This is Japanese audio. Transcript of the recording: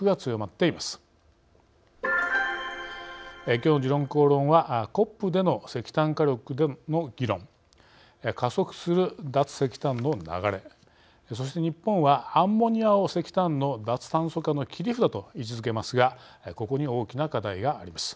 きょうの「時論公論」はＣＯＰでの石炭火力の議論加速する脱石炭の流れそして日本はアンモニアを石炭の脱炭素化の切り札と位置づけますがここに大きな課題があります。